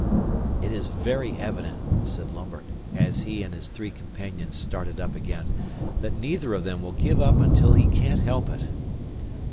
"It is very evident," said Lambert at he and his three companions started up again, "that neither of them will give up until he can't help it."